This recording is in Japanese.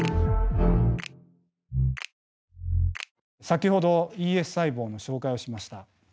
先ほどＥＳ細胞の紹介をしました。